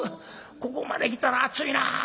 ここまで来たら暑いなあ。